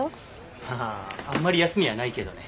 まああんまり休みはないけどね。